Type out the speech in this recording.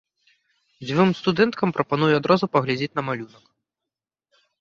Дзвюм студэнткам прапаную адразу паглядзець на малюнак.